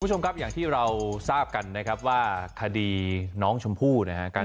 คุณผู้ชมครับอย่างที่เราทราบกันนะครับว่าคดีน้องชมพู่นะครับ